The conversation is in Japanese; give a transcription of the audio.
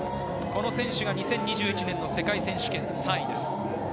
この選手が２０２１年の世界選手権３位です。